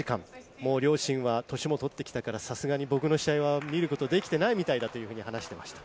もう、ご両親は年も取ってきたから、さすがに僕の試合は見ることができていないみたいだと話していました。